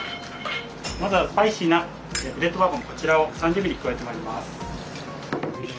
まずはスパイシーなブレットバーボンこちらを３０ミリ加えてまいります。